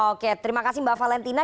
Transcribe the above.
oke terima kasih mbak valentina